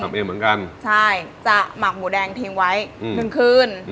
เองเหมือนกันใช่จะหมักหมูแดงทิ้งไว้หนึ่งคืน